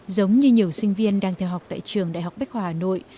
giống như nhiều sinh viên đang theo học tại trường đại học bách khoa hà nội